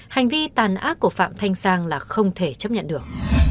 hành vi tàn ác của phạm thanh sang là không thể chấp nhận được